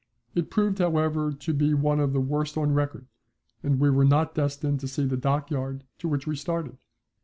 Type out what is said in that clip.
It proved, however, to be one of the worst on record, and we were not destined to see the dockyard to which we started.